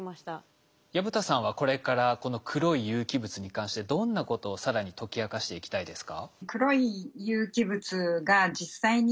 薮田さんはこれからこの黒い有機物に関してどんなことを更に解き明かしていきたいですか？